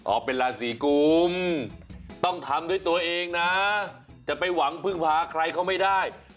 เป็นราศีกุมต้องทำด้วยตัวเองนะจะไปหวังพึ่งพาใครเขาไม่ได้